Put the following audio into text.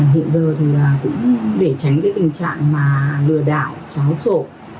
hiện giờ thì cũng để tránh cái tình trạng mà lừa đảo tráo sổ